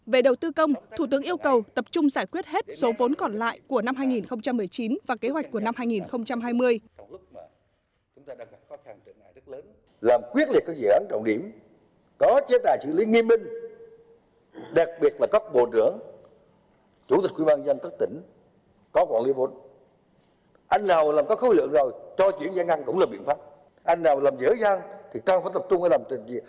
về đầu tư công thủ tướng yêu cầu tập trung giải quyết hết số vốn còn lại của năm hai nghìn một mươi chín và kế hoạch của năm hai nghìn hai mươi